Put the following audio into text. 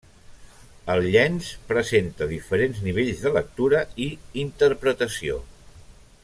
El llenç presenta diferents nivells de lectura i interpretació.